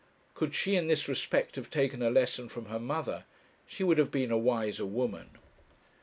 Could she, in this respect, have taken a lesson from her mother, she would have been a wiser woman.